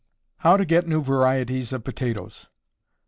_How to get New Varieties of Potatoes.